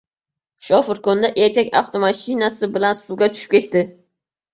Shofirkonda erkak avtomashinasi bilan suvga tushib ketdi